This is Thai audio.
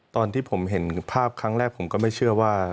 ตอนที่ผมเห็นภาพครั้งแรกผมก็ไม่เชื่อว่า